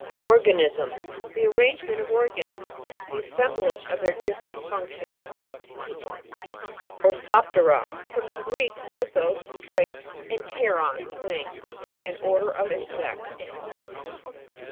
OR'GANISM. The arrangement of organs ; the assemblage of their different functions. ORTHOP'TERA. From the Greek, orthos, straight, and pteron, wing. An order of insects.